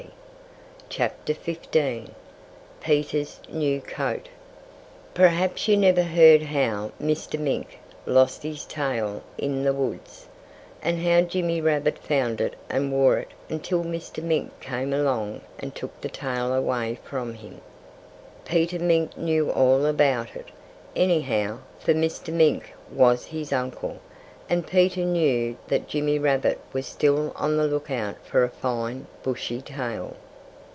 PETER'S NEW COAT Perhaps you never heard how Mr. Mink lost his tail in the woods, and how Jimmy Rabbit found it and wore it until Mr. Mink came along and took the tail away from him. Peter Mink knew all about it, anyhow, for Mr. Mink was his uncle. And Peter knew that Jimmy Rabbit was still on the lookout for a fine, bushy tail.